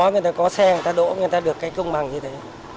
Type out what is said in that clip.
người ta có xe người ta đỗ người ta được cái công bằng như thế